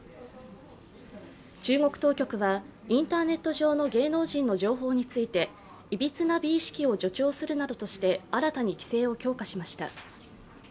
中国当局はインターネット上の芸能人の情報についていびつな美意識を助長するなどとして新たに規制を強化しました。